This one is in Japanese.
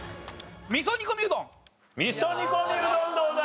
味噌煮込みうどんどうだ？